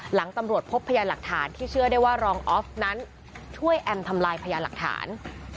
หลังตำรวจพบพยานหลักฐานที่เชื่อได้ว่ารองออฟนั้นช่วยแอมทำลายพยานหลักฐาน